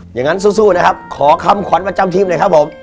อย่างนั้นสู้นะครับขอคำขวัญประจำทีมหน่อยครับผม